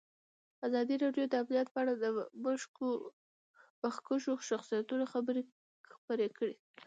ازادي راډیو د امنیت په اړه د مخکښو شخصیتونو خبرې خپرې کړي.